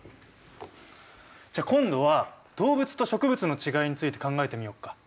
じゃあ今度は動物と植物のちがいについて考えてみようか。